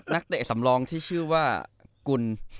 เตะสำรองที่ชื่อว่ากุล